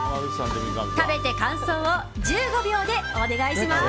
食べて感想を１５秒でお願いします。